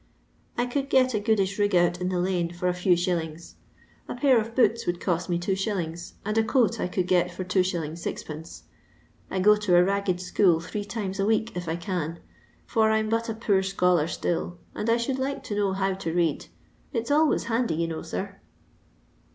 I could get a goodith rig out in the lane for a few thUlings. A pair of boots would cott me 2«., and a coat I could get for 2s. M. I go to a ragged tchool three times a week if I can, for I 'm but a poor scholar still, and I should like to know how to read ; it 't alway t handy you know, tir."